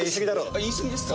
あ言いすぎですか。